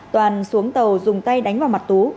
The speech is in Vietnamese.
toàn xuống tàu dùng tay đánh vào mặt tú